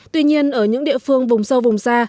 tuy nhiên ở những địa phương vùng sâu vùng xa